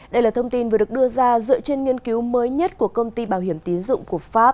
đây là thông tin vừa được đưa ra dựa trên nghiên cứu mới nhất của công ty bảo hiểm tín dụng của pháp